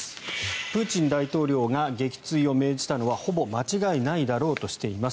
プーチン大統領が撃墜を命じたのはほぼ間違いないだろうとしています。